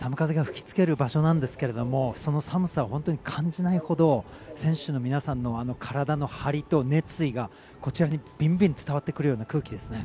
寒風が吹き付ける場所なんですけど、その寒さを感じないほど、選手の皆さんの体の張りと熱意がこちらにビンビン伝わってくるような空気ですね。